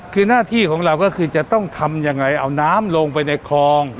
คือหน้าที่ของเราก็คือจะต้องทำยังไงเอาน้ำลงไปในคลอง